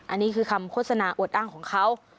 อันนี้คือคำโฆษณาอวดอ้างของเขา